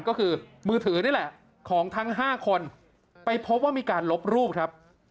ก็คือมือถือนี่แหละของทั้ง๕คนไปพบว่ามีการลบรูปครับ